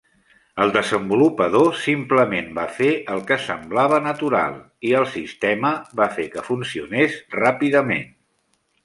El desenvolupador simplement va fer el que semblava natural i el sistema va fer que funcionés ràpidament.